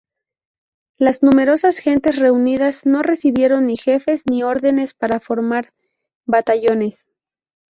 Las numerosas gentes reunidas no recibieron ni jefes ni órdenes para formar batallones.